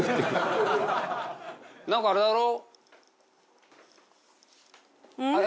なんかあれだろ？